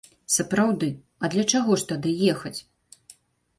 Сапраўды, а для чаго ж тады ехаць?